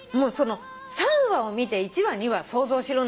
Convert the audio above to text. ３話を見て１話２話想像しろなんて。